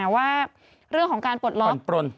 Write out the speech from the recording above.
แล้วเรื่องของการปลดล๊อบ